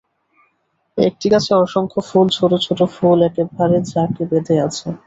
একটি গাছে অসংখ্য ফুল, ছোট ছোট ফুল, একেবারে ঝাঁক বেঁধে আছে।